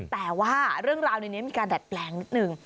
แต่ว่าเรื่องราวในนี้มีการดัดแปลงนิดนึง